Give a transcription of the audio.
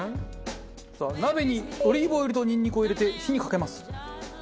さあ鍋にオリーブオイルとニンニクを入れて火にかけます。